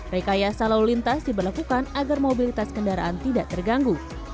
rekayasa lalu lintas diberlakukan agar mobilitas kendaraan tidak terganggu